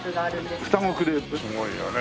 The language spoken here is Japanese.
すごいよね。